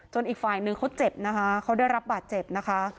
อีกฝ่ายนึงเขาเจ็บนะคะเขาได้รับบาดเจ็บนะคะ